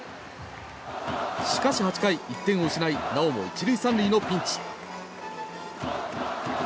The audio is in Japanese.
しかし８回、１点を失いなおも１塁３塁のピンチ。